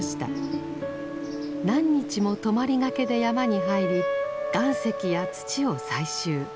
何日も泊まりがけで山に入り岩石や土を採集。